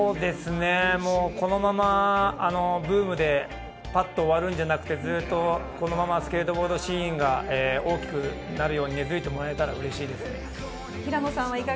このままブームでぱっと終わるんじゃなくて、ずっとこのままスケートボードシーンが大きくなるように根づいてもらえたら、うれしいですね。